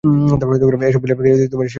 এসব ভুলিয়া গিয়া সে কি অহঙ্কারী হইয়া উঠিতেছিল?